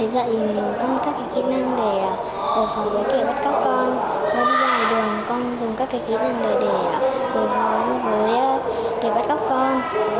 nói ra là đường con dùng các kỹ năng để bỏ phòng bố kể bắt cóc con